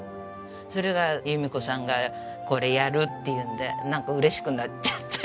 それが由美子さんがこれやるっていうのでなんか嬉しくなっちゃって。